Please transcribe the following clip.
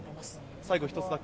最後１つだけ。